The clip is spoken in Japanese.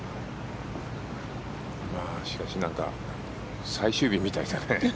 しかし、なんか最終日みたいだね。